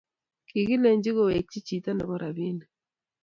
kikilenchi kowekchi chito nebo robinik